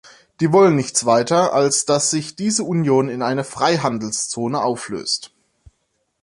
Die wollen nichts weiter, als dass sich diese Union in eine Freihandelszone auflöst.